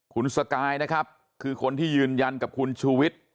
คุณสกายนะครับคือคนที่ยืนยันกับคุณชูวิทย์